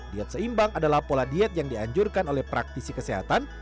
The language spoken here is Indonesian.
diet seimbang adalah pola diet yang dianjurkan oleh praktisi kesehatan